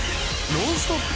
ノンストップ！